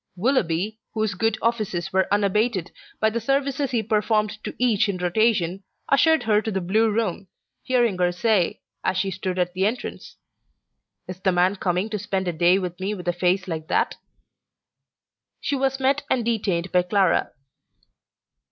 Willoughby, whose good offices were unabated by the services he performed to each in rotation, ushered her into the Blue Room, hearing her say, as she stood at the entrance: "Is the man coming to spend a day with me with a face like that?" She was met and detained by Clara.